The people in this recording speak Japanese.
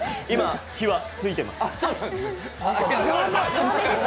今、火はついてます。